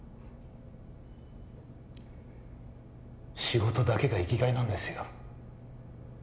仕事だけが生きがいなんですよ